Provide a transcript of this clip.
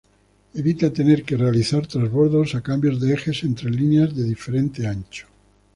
Evita tener que realizar transbordos o cambios de ejes entre líneas de diferente ancho.